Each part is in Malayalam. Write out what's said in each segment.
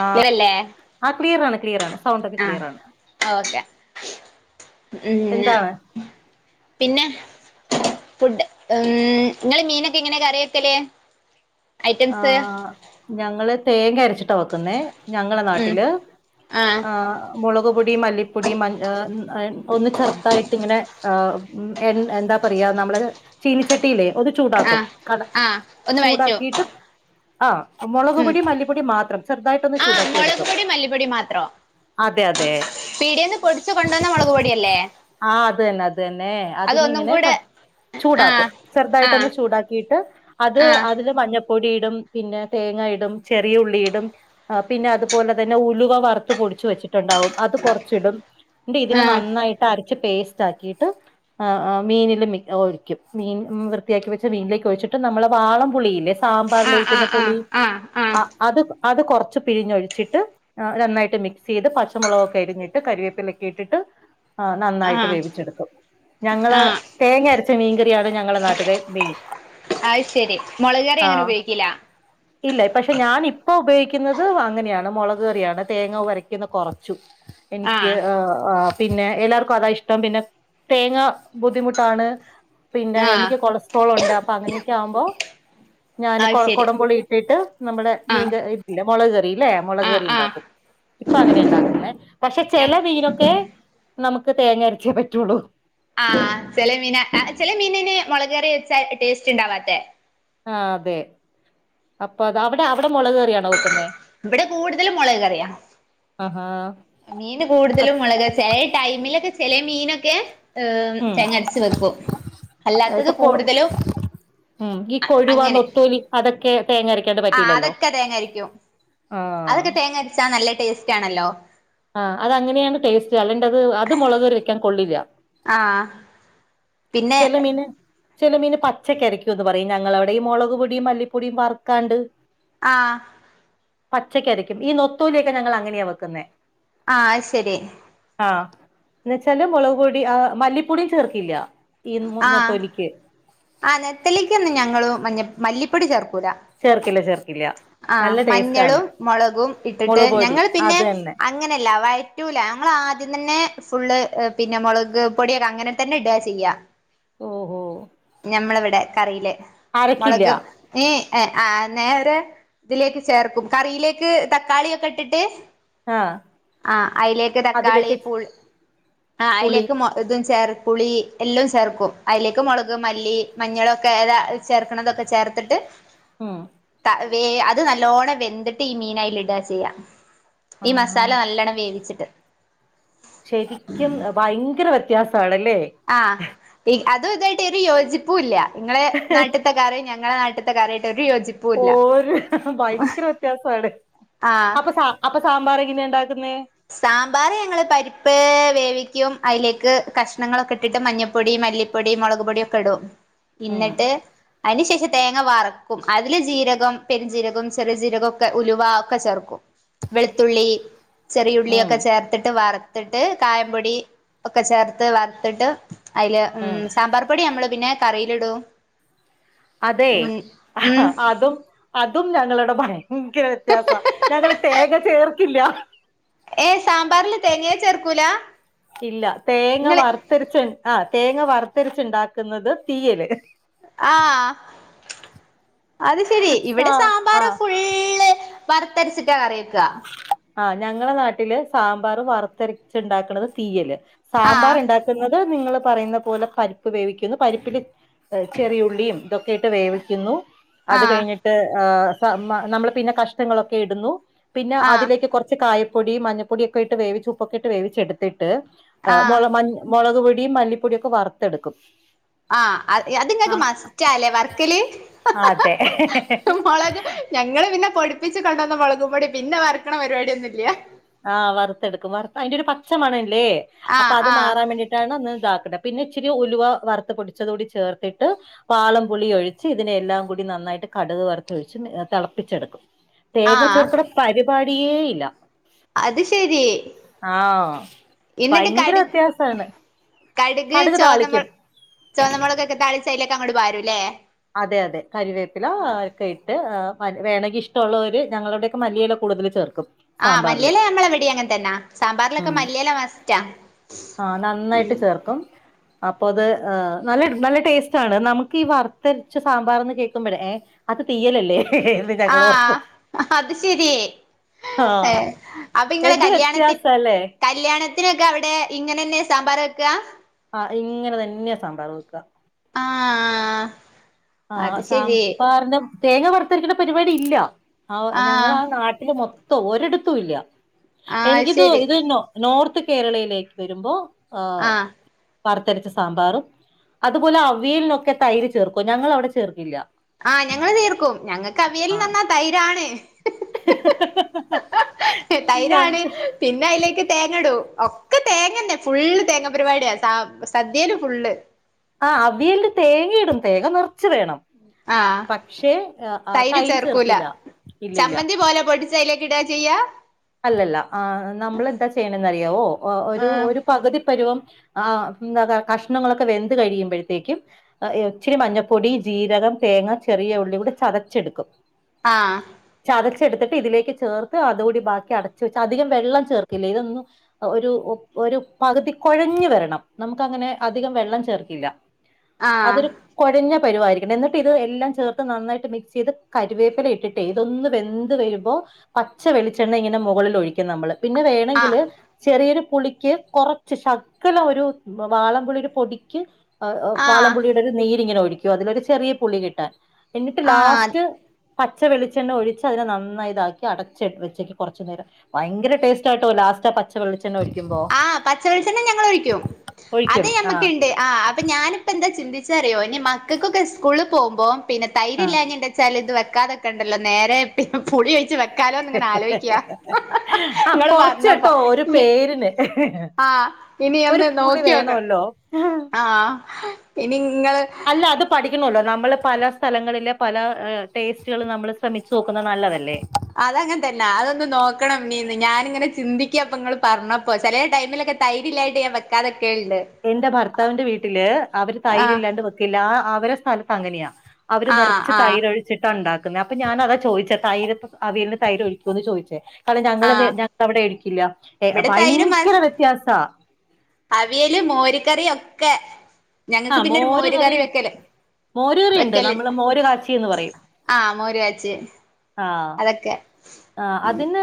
ആ ക്ലിയറല്ലേ ആ ക്ലിയർ ആണ് ക്ലിയർ ആണ് സൗണ്ട് ഒക്കെ ആഹ് ക്ലിയർ ആാണ് ഓക്കെ ഉം ന പിന്നെ ഫുഡ് ഉം നിങ്ങള് മീനൊക്കെ ഇങ്ങനെ കറി വക്കല്ല് ആ ഞങ്ങള് തേങ്ങ അരച്ചിട്ടാ വെക്കുന്നേ ഞങ്ങളെ ഉം നാട്ടില് ആഹ് ആ മുളക്പൊടി മല്ലിപ്പൊടി മ അഒന്ന് ചെറുതായിട്ട് ഇങ്ങനെ ആ ഉം എന്താ പറയാ നമ്മള് ചീനിച്ചട്ടിയിലേ ഒ ചൂടാക്കും ആഹ് കട ആഹ് ഒന്ന് വഴറ്റും ചൂടാക്കിട്ട് ആ ഉം മുളക്പൊടി മല്ലിപ്പൊടി മാത്രം ചെറുതായിട്ടൊന്ന് ആഹ് ചൂടാക്കി മുളക് എടുക്കും പൊടി മല്ലിപ്പൊടി മാത്രോ അതെ അതെ പീടിയേന്ന് പൊടിച്ചു കൊണ്ടുവന്ന മുളക് പൊടിയല്ലേ ആ അത് തന്നെ അത് തന്നെ അത് അതിനി ഒന്നും ഇങ്ങനെ ക കൂടെ ചൂടാക്കും ആഹ് ചെറുതായിട്ടൊന്ന് ആഹ് ചൂടാക്കിയിട്ട് അത് ആഹ് അതില് മഞ്ഞ പൊടിയിടും പിന്നെ തേങ്ങ ഇടും ചെറിയുള്ളിടും പിന്നെ അതുപോലെ തന്നെ ഉലുവ വറുത്ത് പൊടിച്ച് വെച്ചിട്ട ണ്ടാവും അത് കുറച്ചിടും ഇതിനെ ആഹ് നന്നായിട്ട് അ ത് പേസ്റ്റ് ആക്കിയിട്ട് അ അ മീനില് മീ ഒഴിക്കും മീൻ മം വൃത്തിയാക്കി വെച്ച മീനിലേക്ക് ഒഴിച്ചിട്ട് നമ്മെ വാളം പുളില്ലേ സാമ്പാറൽഴിക്കുന്ന ആഹ് പുളി ആഹ് ആഹ് ആഹ് അ ആഹ് അത് അത് കുറച്ച് പിരിഞ്ഞൊഴിച്ചിട്ട് അ നന്നായിട്ട് മിക്സ് ചെയ്ത് പച്ചമുളകൊക്കെ എരിഞ്ഞിട്ട് കറിവേപ്പിലൊക്കെ ഇട്ടിട്ട് ഉ [inaudible] ആ നന്നായിട്ട് വേവിച്ചെടുക്കും ഞങ്ങള് ആഹ് തേങ്ങ അരച്ച മീൻകറിയാണ് ഞങ്ങളെ നാട്ടില് മെയിൻ അത് ശരി മുളക് കയറി അങ്ങനെ ആഹ് ഉപയോഗിക്കില്ല ഇല്ല പക്ഷെ ഞാൻ ഇപ്പൊ ഉപയോഗിക്കുന്നത് അങ്ങനെയാണ് മുളക് കയറിയാണ് തേങ്ങ വരയ്ക്കുന്ന കുറച്ചു എനിക്ക് ആഹ് പിന്നെ എല്ലാർക്കും അതാ ഇഷ്ടം പിന്നെ തേങ്ങ ബുദ്ധിമുട്ടാണ് പിന്നെ ആഹ് എനിക്ക് കൊളസ്ട്രോൾ ഉണ്ട് അപ്പൊ അങ്ങനെയൊക്കെ ആവുമ്പോ ഞാന് അത് ശരി കൊടമ്പൊളി ഇട്ടിട്ട് നമ്മുടെ മീൻ ആഹ് ഇതില്ല മുളകറി ഇല്ലേ ആഹ് മുളകറി ആഹ് ഉണ്ടാക്കും ഇപ്പൊ അങ്ങനെ ഉണ്ടാക്കുന്ന പക്ഷെ ഞ ചെല മീനൊക്കെ നമുക്ക് തേങ്ങ അരച്ചേ പറ്റുള്ളൂ ആ ചെല മീന ചില മീനന് മുളകയറി വെച്ചാ ടേസ്റ്റ് ഉണ്ടാവാത്ത ആ അതെ അപ്പ അത് അവിടെ അവിടെ മുളക്കയറിയാണോ ഓക്ക ഇവിടെ കൂടുതല മുളക്കറിയാം ആഹാ മീൻ കൂടുതലും മുളക് ചെില ടൈമിലൊക്കെ ചെല മീനൊക്കെ ഏ ഉം തേങ്ങടച്ച് വെക്കും അല്ലാത്തത് ഇപ്പൊ കൂടുതലും ഉം ഈ അങ്ങനെ കൊഴുവന്നൊത്തൂലി അതൊക്കെ തേങ്ങരക്കാണ്ട ആഹ് പറ്റില്ലല്ലോ അതൊക്കെ തേങ്ങരക്കും ആഹ് അതൊക്കെ തേങ്ങ അടച്ചാ നല്ല ടേസ്റ്റ് ആണല്ലോ ആഹ അത് അങ്ങനെയാണ് ടേസ്റ്റ് അല്ലെന്റെ അത് അത് മുളക് ഒരു വെക്കാൻ കൊള്ളില്ല ആഹ പിന്നെ ചില മീന് പച്ചക്കരക്കും എന്ന് പറയും ഞങ്ങൾവിടെയും മുളക് പൊടിയും മല്ലിപ്പൊടിയും വറുക്കാണ്ട് ആഹ പച്ചക്ക അരക്കും ഈ നൊത്തൂലൊക്കെ ഞങ്ങൾ അങ്ങനെയാ വെക്കുന്നെ ആഹ ശരി ആഹ എന്ന വെച്ചാല് മുളക് പൊടി ആ മല്ലിപ്പൊടിയും ചേർക്കല്ല തീന്നത്തൊലിക്ക് ആ നെത്തലേക്ക്ന്ന് ഞങ്ങള് മ മല്ലിപ്പൊടി ചേർക്കും ചേർക്കില്ല ചേർക്കില്ല ആഹ നല്ല ടേസ്റ്റ് ആണ് മഞ്ഞളും മുളകും ഇട്ടിട്ട് മുളക് പൊടി ഞങ്ങൾ പിന്നെ അത് തന്നെ അങ്ങനെയല്ല വഴറ്റൂല ഞ ആദ്യം തന്നെ ഫുള് പിന്നെ മുളക് പൊടിയൊക്കെ അങ്ങനെ തന്നെ ഇടുക ചെയ്യാ ഓഹോ നമ്മളിവിടെ കറിയില് അരക്കില്ല മുളകും ഈ ഏ ആ നേരെ ഇതിലേക്ക് ചേർക്കും കറിയിലേക്ക് തക്കാളിയൊക്കെ ഇട്ടിട്ട് ആഹ് ആ അതിലേക്ക് തക്കാളി അതിലേക്ക് പുളി ആ പുളി അതിലേക്ക് ഇതും ചേർ പുളി എല്ലാം ചേർക്കും അതിലേക്ക മുള മല്ലി മഞ്ഞളൊക്കെ ഏതാ ചേർക്കുന്നതൊക്കെ ചേർത്തിട്ട് ആഹ ത വേ അത് നല്ലോണം വെന്തിട്ട് ഈ മീന അൽ ഇടുക ചെയ്യാം ഈ ആഹാ മസാല നല്ലണം വേവിച്ചിട്ട് ശരിക്കും ഭയങ്കര വ്യത്യാസമാണല്ലേ ആ അതും ഇതായിട്ട് ഒരു യോജിപ്പ ഇല്ല ഇങ്ങളെ നാട്ടത്തെക്കാര ഞങ്ങളെ നാട്ടത്തെ [unintelligible] ഓര് ഭയങ്കര വ്യത്യാസമായിടെ ആഹ് അപ്പൊ അപ്പൊ സാമ്പാർ എങ്ങനുണ്ടാക്കാ സാമ്പാർ ഞങ്ങള് പരിപ്പ് വേവി ക്കും അതിലേക്ക് കഷ്ണങ്ങളൊക്കെ ഇട്ടിട്ട് മഞ്ഞൾപ്പൊടി, മല്ലിപ്പൊടി, മുളക്പൊടിയൊക്കെയിടും ഉം എന്നിട്ട് അതിനുശേഷം തേ ങ്ങ വറക്കും അതില് ജീരകം, പെരുംജീരകം, ചെറിയ ജീരകം, ഒക്കെ ഉലുവാ ഒക്കെ ചേർക്കും വെളുത്തുള്ളി ഉം ചെറിയുള്ളിയൊക്കെ ചേർത്തിട്ട് വറുത്തിട്ട് കായംപൊടി ഒക്കെ ചേർത്ത് വറുത്തിട്ട് അതില് ഉം സാമ്പാർ പൊടി നമ്മള് പിന്നെ കറിയിലിടും അതെ ഉം ഉം അതും അതും ഞങ്ങളുടെ ഭയ യങ്കര വ്യത്യാസവാ ഞങ്ങള് തേങ്ങ ചേർക്കില്ല ഏ സാമ്പാറിൽ തേങ്ങയൊന്നും ചേർക്കൂല ഇല്ല തേങ്ങ നിങ്ങള് വറുത്തരച്ച് ആ തേങ്ങ വറുത്തരച്ച് ഉണ്ടാക്കുന്നത് തീയല് ആഹ് അത് ശെരി ഇവിടെ ആ സാമ്പാറ് ആ ഫുള്ള് വറുത്തരച്ചിട്ടാ കറിവെയ്ക്കുക ആഹ് ഞങ്ങളെ നാട്ടില് സാമ്പാർ വറുത്തരച്ച് ഉണ്ടാക്കണത് തീയല് ആഹ് സാമ്പാർ ഉണ്ടാക്കുന്നത് നിങ്ങള് പറയുന്ന പോലെ പരിപ്പ് വേവിക്കുന്നു പരിപ്പിൽ ചെറിയുള്ളിയും ഇതൊക്കെ ഇട്ട് വേവിക്കുന്നു അത് ആഹ് കഴിഞ്ഞിട്ട് നമ്മൾ പിന്നെ കഷ്ണങ്ങളൊക്കെ ഇടുന്നു പിന്നെ ആഹ് അതിലേക്ക് കുറച്ച് കായപ്പൊടി മഞ്ഞപ്പൊടിയൊക്കെ ഇട്ട് വേവിച്ച് ഉപ്പൊക്കെ ഇട്ട് വേവിച്ചെടുത്തിട്ട് ആഹ് മോള മഞ്ഞ മുളക് പൊടിയും മല്ലിപ്പൊടിയും ഒക്കെ വറുത്തെടുക്കും ആ അതിങ്ങക്ക് ആഹ് മസ്റ്റാല്ലേ വറക്കല് അതെ മുളക് ഞങ്ങള് പിന്നെ പൊടിപ്പിച്ച് കൊണ്ടുവന്ന മുളകുംപൊടി പിന്നെ വറക്കണ പരുപാടി ആഹ് വറുത്തെടുക്കും വറുത്ത് അതിന്റെ ഒരു പച്ച മണമി അല്ലേ അപ്പൊ ആഹ് അത് ആഹ് മാറാൻ വേണ്ടിട്ടാണ് ഒന്ന് ഇതാക്ക് പിന്നെ ഇച്ചിരി ഉലുവ വറുത്ത് പൊടിച്ചത് കൂടി ചേർത്തിട്ട് വാളം പുളിയൊഴിച്ച് ഇതിനെയെല്ലാം കൂടി നന്നാ ന്നായിട്ട് കടുക് വറത്തൊഴിച്ച് തിളപ്പിച്ചെടുക്കും തേങ്ങ ആഹ് ചേർക്കണ പരിപാടിയേ ഇല്ല അത് ശെരി ആഹ് എന്നിട്ട് ഭയങ്കര കടുക് വ്യത്യാസാണ് കടുക് ചുവന്നമുള ചുവന്ന മുളകൊക്കെ താളിച്ച് അയിലേക്ക് അങ്ങോട്ട് വാരൂല്ലേ അതെ അതെ കരിവേപ്പില ഒക്കെ ഇട്ട് വേണങ്കി ഇഷ്ടമുള്ളവര് ഞങ്ങളിവടെയൊക്കെ മല്ലിയില കൂടുതൽ ചേർക്കും ആഹ് സാമ്പാറില് മല്ലിയില ഞങ്ങളെ ഇവിടെയും അങ്ങനെ തന്നാ സാമ്പാറിലൊക്കെ ഉം മല്ലിയില മസ്റ്റാ ആഹ് നന്നായിട്ട് ഉം ചേർക്കും അപ്പൊ അത് നല്ല നല്ല ടേസ്റ്റ് ആണ് നമുക്ക് ഈ വറുത്തരച്ച സാമ്പാറന്ന് കേൾക്കുമ്പോഴേ ഏ അത് തീയലല്ലേ എന്ന് ഞങ്ങളോർക്കും ആഹ് അത് ശെരി ആഹ് ഏഹ് അപ്പൊ ഇങ്ങള് എന്ത് കല്യാണത്തി വ്യത്യാസല്ലേ കല്യാണ ത്തിനൊക്കെ അവിടെ ഇങ്ങനെ തന്നെയാ സാമ്പാറ് വെക്കുക ആഹ് ഇങ്ങനെ തന്നെയാ സമ്പാറ് വെക്കുക ആഹ് ആഹ് അത് ശരി സാമ്പാറിന് തേങ്ങ വറത്തരക്കണ പരിപാടി ഇല്ല ആ ഞങ്ങളെ ആഹ് ആ നാട്ടില് മൊത്തം ഒരിടത്തും ഇല്ല ആഹ് എനിക്കിത് ശരി ഇത് നോർത്ത് കേരളയിലേക്ക് വരുമ്പോ ആ ആഹ് വറുത്തരച്ച സാമ്പാറും അതുപോലെ അവിയലിനൊക്കെ തൈര് ചേർക്കുവോ ഞങ്ങൾ അവിടെ ചേർക്കില്ല ആഹ് ഞങ്ങള് ചേർക്കും ഞങ്ങൾക്ക് അവിയൽന്ന് പറഞ്ഞാ തൈരാണ് ആഹ് തൈരാണ് ഞങ്ങ പിന്നെ അതിലേക്ക് തേങ്ങയിടും ഒക്കെ തേങ്ങ തന്നെ ഫുള്ള് തേങ്ങാ പരിപാടിയാ സ സദ്യയില് ഫുള്ള് ആ അവിയലിന് തേങ്ങ ഇടും തേങ്ങ നിറച്ച് വേണം ആഹ് പക്ഷേ ആ തൈര് ചേർക്കൂല ചേർക്കില്ല ഇല്ല ഇല്ല ചമ്മന്തി പോലെ പൊടിച്ചതിലേ ക്കിടാ ചെയ്യാ അല്ലല്ല ആ നമ്മൾെന്താ ചെയ്യണന്ന് അറിയാവോ ഒരു ആഹ് ഒരു പകുതി പരുവം ആഎന്താ കഷ്ണങ്ങളൊക്കെ വെന്ത് കഴിയുമ്പോഴത്തേക്കും ഇച്ചരി മഞ്ഞപ്പൊടി ജീരകം തേങ്ങ ചെറിയ ഉള്ളി കൂടെ ചതച്ചെടുക്കും ആ എടുത്തിട്ട് ഇതിലേക്ക് ചേർത്ത് അതുകൂടി ബാക്കി അട വെച്ചു അധികം വെള്ളം ചേർക്കില്ല ഇതൊന്ന പകുതി കുഴഞ്ഞു വരണം നമ്മുക്കങ്ങനെ അധികം വെള്ളം ചേർക്കില്ല ആഹ് അതരുഴ വരുവമായിരിക്കണം എന്നിട്ട് ഇത് എല്ലാം ചേർത്ത് നന്നായിട്ട് മിക്സ് ചെയ്ത് കറിവേപ്പില ഇട്ടിട്ടേ ഇതൊന്ന് വെന്ത് വരുമ്പോൾ പച്ച വെളിച്ചെണ്ണ ഇങ്ങനെ മുകളിൽ ഒഴിക്കും നമ്മള് പിന്നെ ആഹ് വേണമെങ്കില് ചെറിയൊരു പുളിക്ക് കുറച്ച് ശകലം ഒരു വാളംപളി ഒരു പൊടിക്ക് പാളം ആഹ് പുളിയുടെ ഒരു നീരിങ്ങനെ ഒഴിക്കുവ അതിലൊരു ചെറിയ പുളി കിട്ടാൻ എന്നിട്ട് ആഹ് ലാസ്റ്റ് പച്ച വെളിച്ചെണ്ണ ഒഴിച്ച് അതിനെ നന്നായി ഇതാക്കി അടച്ചട്ട് വെച്ചേക്കും കുറച്ചു നേരം ഭയങ്കര ടേസ്റ്റ് ആട്ടോ ലാസ്റ്റ് പച്ചവെളി ആ പച്ചവെളിച്ചെണ്ണ ഞങ്ങൾ ഒഴിക്കും അത് ഒഴിക്കും ഞമ്മക്ക് ആഹ് ഇണ്ട്. ആ അത് ഞാനിപ്പോ എന്താ ചിന്തി ചെറിയൊന്പിന്നെ മക്കൾക്കൊക്കെ ഇസ്കൂളിൽ പോവുമ്പോ പിന്നെ തൈര് ഇല്ലാഞ്ഞ വെച്ചാല് വാതൊക്കെ ണ്ടല്ലോ നേരെ പിന്നെ പുളിയൊഴിച്ചുവ വക്കാലോന്ന് ഇങ്ങനെ ആഹ് വെച്ചാലോന്നു ആലോചിക്ക. ആ നിങ്ങള് കൊറച്ച് പറഞ്ഞപ്പ കേട്ടോ ഒരു പേരിന് ആഹ്. ഇനി ഒരു ഒന്ന് പുളി നോക്കി വക്കാ.. വേണമല്ലോ ആഹ് ഇനി ഇങ്ങള് അല്ല അത് പഠിക്കണല്ലോ നമ്മള് പല സ്ഥലങ്ങളിലെ പല് ടേസ്റ്റുകളും നമ്മൾ ശ്രമിച്ച് നോക്കുന്നത് നല്ലതല്ലേ അതങ്ങനെ തന്ന അതൊന്നു നോക്കണം [unintelligible] ഞാൻ ഇങ്ങനെ ചിന്തിക്കാ നിങ്ങള് പറഞ്ഞപ്പോ ചെല ടൈം മിലോ തൈര് ഇല്ല്യായിട്ട് ഞാൻ വക്കാതെ എന്റെ ഭർത്താവിന്റെ വീട്ടില് അവര് തൈര് ആഹ് ഇല്ലാണ്ട് വെക്കില്ല അവരു സ്ഥലത്ത് അങ്ങനെയാ അവര് ആഹ് നിറച്ച് ആഹ് തൈര് ഒഴിച്ചിട്ട് ഉണ്ടാ അപ്പൊ ഞാനതാ ചോദിച്ചേ തൈര് അവിയലിനു തൈര് ഒഴിക്കുവോന്നു ചോദിച്ചേ കാരണം ആഹ് ഞങ്ങളത്ഇവിടെ ഒഴിക്കില്ല ഞങ്ങവിടെ ഇവിടെ തൈര് ഭയങ്കര മസ് വ്യത്യാസാ അവിയല് മോരുകറി ഒക്കെ ആ ഞങ്ങക്ക് പിന്നെ ഒരു മോര് മോരു കറി വയ്ക്കല് മോര് കറി ഉണ്ട് വെക്കല് നമ്മള് മോര് കാച്ചി ആ മോര് കാച്ചിയെ ആഹ്‌ ആ അതിന്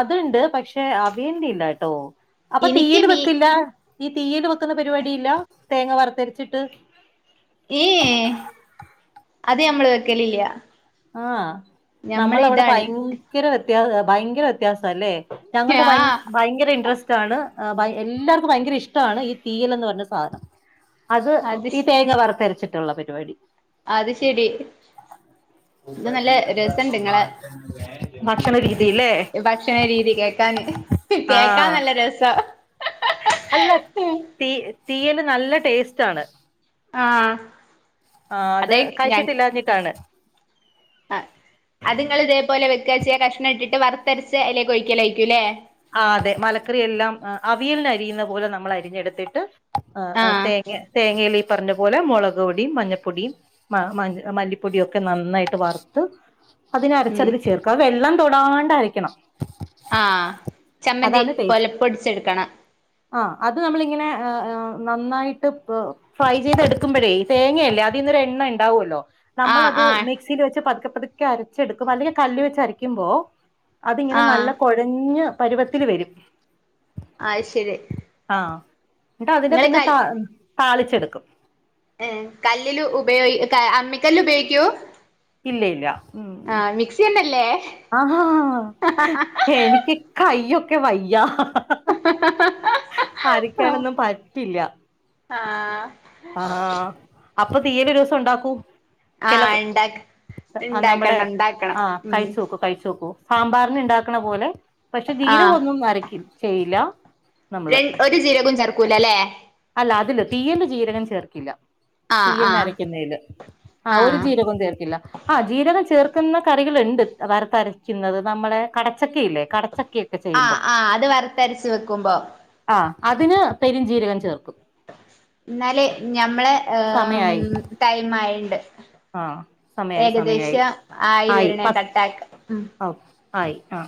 അതുണ്ട് പക്ഷെ അവിയലിനു ഇല്ലാട്ടോ അപ്പൊ എനിക്ക് തീയിൽ മീ വെക്കില്ല ഈ തീയി ൽ വെക്കുന്ന പരിപാടി ഇല്ല തേങ്ങ വർത്തെരിച്ചിട്ട് ഏ അത് നമ്മള് വെക്കലില്ല ആ ഞമ്മള് നമ്മളവിടെ ഇതാണ് ഭയങ്കര വ്യത്യാസ ഭയങ്കര വ്യത്യാസ അല്ലേ ഞങ്ങടെ ആഹ് ഭയങ്കര ഇൻട്രസ്റ്റ് ആണ് ആ എല്ലാർക്കും ഭയങ്കര ഇഷ്ടമാണ് ഈ തീയൽന്നു പറഞ്ഞ സാധനം അത് ഈ തേങ്ങ വറത്തരച്ചിട്ടുളള പരിപാടി അത് ശെരി ഇത് നല്ല രസുണ്ട് നിങ്ങളെ ഭക്ഷണ രീതില്ലേ ഇ ഭക്ഷണ രീതി കേൾക്കാന് കേക്കാൻ ആഹ് നല്ല രസ അല്ല തീ തീയല് നല്ല ടേസ്റ്റ്ണ് ആ അത് അതെ ഞാൻ കഴിച്ചിട്ടില്ലാഞ്ഞിട്ടാണ് ആ അതുങ്ങള് ഇതേപോലെയ ച്ച കഷണം ഇട്ട് വറത്തരച്ച അല്ലേെഴിക്കലഴക്കൂല്ലേ ആ അതെ മലക്കറി എല്ലാം അവിയൽന് അരിയുന്ന പോലെ നമ്മൾ അരിഞ്ഞെടുത്തിട്ട് ആ ആ ആഹ് തേങ്ങ തേങ്ങയിലി പറഞ്ഞ പോലെ മുളക് പൊടിയും മഞ്ഞപ്പൊടിയും മല്ലിപ്പൊടിയൊക്കെ നന്നായിട്ട് വറുത്ത് അതിനരച്ച ഉം അതില് ചേർക്കുക വെള്ളം തൊടാണ്ടായിരിക്കണം ആ ചമ്മന്തി ടേസ്റ്റ് പോലെപ്പൊടിച്ചെടുക്കണം ആ അത് നമ്മള ഇങ്ങനെ നന്നായിട്ട് ഫ്രൈ ചെയ്തെടുക്കുമ്പോഴേ തേങ്ങയല്ലേ എണ്ണ ഉണ്ടാവുമല്ലോ ആഹ് നമ്മളത് ആഹ് മിക്സിയിൽ വെച്ച് പതുക്കെ പതുക്കെ അരച്ചെടുക്കും അല്ലെങ്കിൽ കല്ല് വെച്ചരക്കുമ്പോ അതിങ്ങനെ ആഹ് നല്ല കുഴഞ്ഞ് പരുവത്തില് വരും. ആ ശരി. ആ എന്നട്ട് അതിന്റെ ഇങ്ങള് പിന്നെ താളിച്ചെടുക്കും. ഏ കല്ലില് ഉപയോഗ അമ്മിക്കല്ല് ഉപയോഗിക്കുവോ? ഇല്ല ആ മിക്സി തന്നെയല്ലേ? ആ എനിക്ക് കയ്യൊക്കെ വയ്യ. ഹഹഹ അരക്കാനൊന്നും പറ്റില്ല ആഹ ആഹ അപ്പൊ തീയൽ ഒരു ദിവസം ഉണ്ടാക്കൂ. ചിലത് ആഹ് ഇണ്ടാക്ക നമ്മുടെ ഇണ്ടാക്കണം ഇണ്ടാക്കണം ആ ഉം കഴിച്ചു നോക്കൂ കഴിച്ചു നോക്കു. സാമ്പാറിന് ഉണ്ടാക്കണ പോലെ പക്ഷെ ജീരകം ആഹ് ഒന്നും അരക്കില്ല. ചെയ്യില്ല നമ്മള് ര ഒരു ജീരകവും ചേർക്കൂലല്ലേ അല്ല അതല്ല തീയലിൽ ജീരകം ചേർക്കില്ല. ആഹ് ആഹ് തീയലിനരക്കുന്നെല്. ആഹ് ഒരു ജീരകവും ചേർക്കില്ല. ആഹ് ജീരകം ചേർ കറികളുണ്ട് വത്അരക്കുന്നത് നമ്മളെ കട പച്ചക്ക ഇല്ലേ കടച്ചക്ക ഒക്കെ ചെയ്യുമ്പോ ആഹ് ആഹ് അത് വറുത്തരച്ച് വെക്കുമ്പോ ആ അതിന് പെരും ജീരകം ചേർക്കും. എന്നല് ഞമ്മളെ സമയായി തൈമായിണ്ട്. ആ സമയായി സമയായി ഏകദേശം ആയി വരണേ കട്ടാക്ക. അ ഓ ആയി ആ